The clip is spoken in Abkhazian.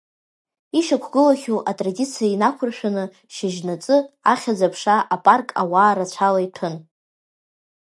Ишьақәгылахьоу атрадициа инақәыршәаны, шьыжьаҵы Ахьӡ-аԥша апарк ауаа рацәала иҭәын.